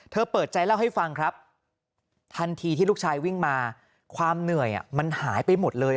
เปิดใจเล่าให้ฟังครับทันทีที่ลูกชายวิ่งมาความเหนื่อยมันหายไปหมดเลย